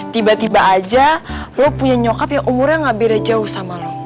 tiba tiba aja lo punya nyokap yang umurnya gak beda jauh sama lo